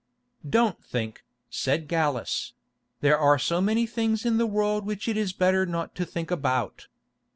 "Don't think," said Gallus; "there are so many things in the world which it is better not to think about.